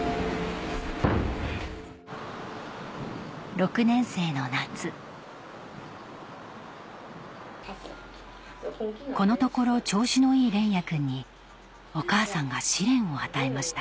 ６年生の夏このところ調子のいい連也君にお母さんが試練を与えました